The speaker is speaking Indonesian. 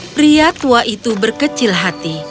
pria tua itu berkecil hati